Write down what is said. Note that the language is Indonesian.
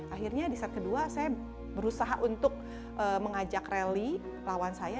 akhirnya di set kedua saya berusaha untuk mengajak rally lawan saya